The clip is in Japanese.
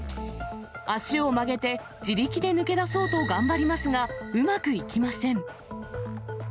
足を曲げて、自力で抜け出そうと頑張りますが、うまくいきません。